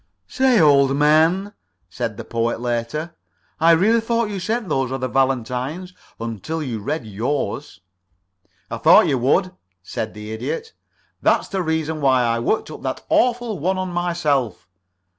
"Say, old man," said the Poet, later, "I really thought you sent those other valentines until you read yours." "I thought you would," said the Idiot. "That's the reason why I worked up that awful one on myself.